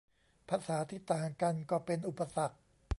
ภาษาที่ต่างกันก็เป็นอุปสรรค